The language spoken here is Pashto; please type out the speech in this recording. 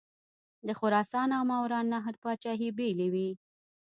د خراسان او ماوراءالنهر پاچهي بېلې وې.